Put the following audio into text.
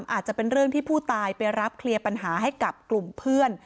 ๓อาจจะเป็นพูดตายไปรับเคลียร์ปัญหาให้กับกลุ่มเพื่อน